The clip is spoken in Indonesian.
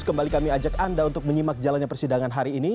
kembali kami ajak anda untuk menyimak jalannya persidangan hari ini